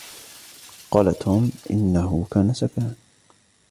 قال توم: إنه كان سكران